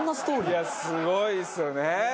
いやすごいですよね。